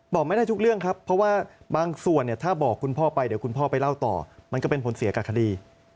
บอกไม่ได้ทุกเรื่องครับเพราะว่าบางส่วนเนี่ยถ้าบอกคุณพ่อไปเดี๋ยวคุณพ่อไปเล่าต่อมันก็เป็นผลเสียกับคดี